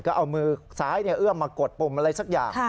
ก็เอามือซ้ายเอื้อมมากดปุ่มอะไรสักอย่าง